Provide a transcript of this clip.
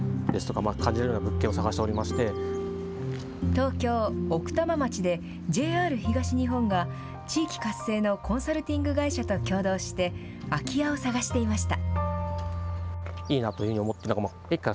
東京、奥多摩町でＪＲ東日本が地域活性のコンサルティング会社と共同して空き家を探していました。